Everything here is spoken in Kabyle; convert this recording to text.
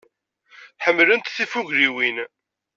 Ḥemmlent tifugliwin.